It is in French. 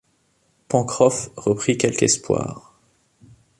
Pencroff reprit quelque espoir.